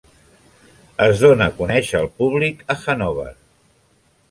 Es donà conèixer al públic a Hannover.